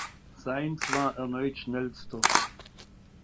Sainz war erneut Schnellster.